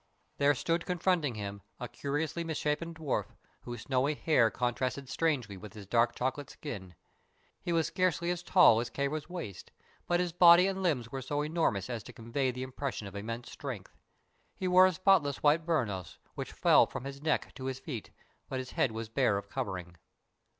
There stood confronting him a curiously misshapen dwarf, whose snowy hair contrasted strangely with his dark chocolate skin. He was scarcely as tall as Kāra's waist, but his body and limbs were so enormous as to convey the impression of immense strength. He wore a spotless white burnous, which fell from his neck to his feet, but his head was bare of covering.